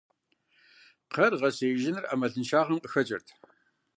Кхъэр гъэсеижыныр Ӏэмалыншагъэм къыхэкӀырт.